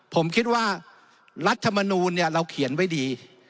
ผมคิดว่ารัฐมนูลเราเขียนไว้ดี